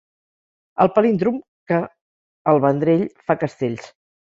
El palíndrom que a El Vendrell fa castells.